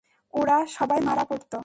ওরা সবাই মারা পড়ত।